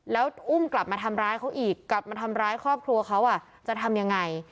แล้วอุ้มกลับมาทำร้ายเขาอีกกลับมาทำร้ายครอบครัวเขาจะทำยังไง